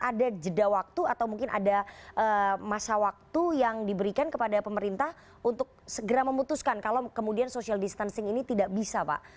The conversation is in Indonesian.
ada jeda waktu atau mungkin ada masa waktu yang diberikan kepada pemerintah untuk segera memutuskan kalau kemudian social distancing ini tidak bisa pak